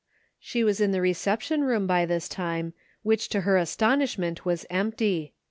She was in the reception room by this time, which to her astonishment was empty.